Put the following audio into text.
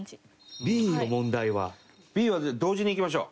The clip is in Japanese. Ｂはじゃあ同時にいきましょう。